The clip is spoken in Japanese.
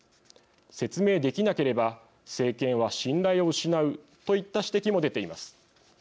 説明できなければ政権は信頼を失うといった指摘も出ています。